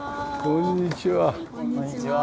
こんにちは。